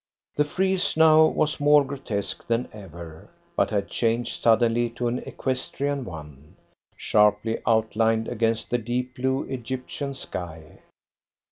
The frieze now was more grotesque than ever, but had changed suddenly to an equestrian one, sharply outlined against the deep blue Egyptian sky.